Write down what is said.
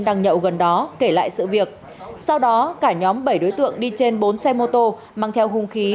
đang nhậu gần đó kể lại sự việc sau đó cả nhóm bảy đối tượng đi trên bốn xe mô tô mang theo hung khí